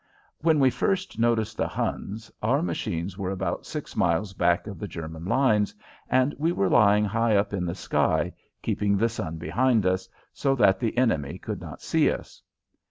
When we first noticed the Huns our machines were about six miles back of the German lines and we were lying high up in the sky, keeping the sun behind us, so that the enemy could not see us.